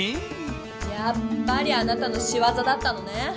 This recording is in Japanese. やっぱりあなたのしわざだったのね。